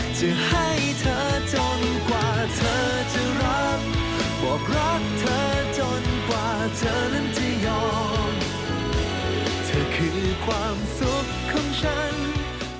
สุขของฉัน